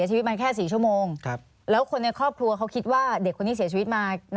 ที่เขาต้องแจ้งใช่ไหมคะ